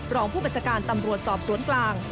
รองผู้บัญชาการตำรวจสอบสวนกลาง